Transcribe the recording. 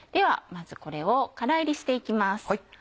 まずこれをからいりして行きます。